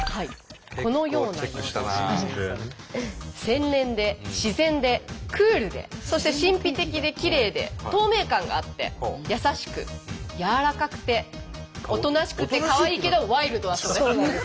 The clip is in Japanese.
洗練で自然でクールでそして神秘的できれいで透明感があって優しく柔らかくておとなしくてかわいいけどワイルドだそうです。